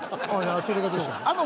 それがどうしたの？